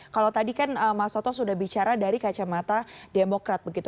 kalau tadi kan mas toto sudah bicara dari kacamata demokrat begitu